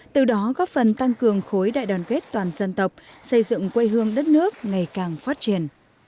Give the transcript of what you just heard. từ đó góp phần tăng cường khối đại đoàn kết toàn dân tộc xây dựng quê hương đất nước ngày càng phát triển